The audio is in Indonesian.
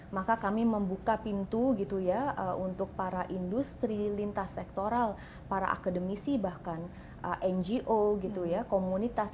maka kami membuka pintu untuk para industri lintas sektoral para akademisi bahkan ngo komunitas